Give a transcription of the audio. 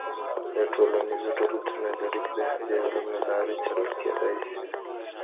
د ټولنیزو ډلو ترمنځ اړیکي د همدې علم له لاري څېړل کيدی سي.